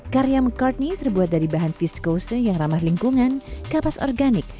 karya mccartney terbuat dari bahan viskose yang ramah lingkungan kapas organik